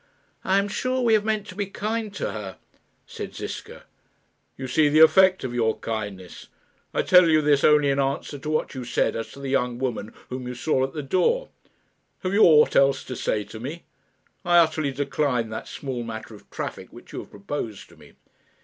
"I am sure we have meant to be kind to her," said Ziska. "You see the effect of your kindness. I tell you this only in answer to what you said as to the young woman whom you saw at the door. Have you aught else to say to me? I utterly decline that small matter of traffic which you have proposed to me."